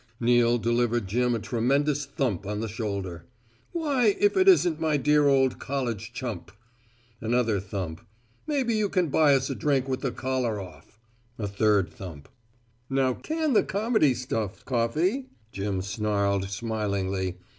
Neal delivered Jim a tremendous thump on the shoulder. "Why, if it isn't my dear old college chump." Another thump. "Maybe you can buy us a drink with the collar off." A third thump. "Now, can the comedy stuff, Coffey," Jim snarled, smilingly.